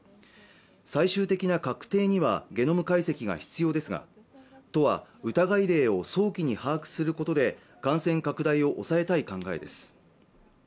最終的な確定にはゲノム解析が必要ですが都は疑い例を早期に把握することで感染拡大を抑えたい考えです